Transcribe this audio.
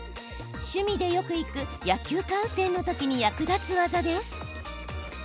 趣味でよく行く野球観戦の時に役立つ技です。